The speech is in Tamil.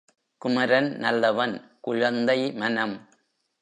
குமரன் நல்லவன் குழந்தை மனம்.